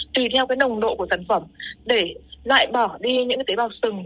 tùy theo cái nồng độ của sản phẩm để lại bỏ đi những cái tế bào sừng